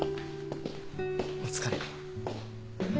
お疲れ。